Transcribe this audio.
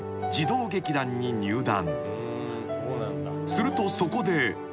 ［するとそこで］